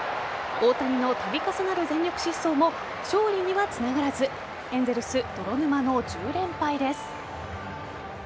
大谷のたび重なる全力疾走も勝利にはつながらずエンゼルス、泥沼の１０連敗です。